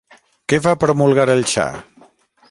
Què va promulgar el Xa?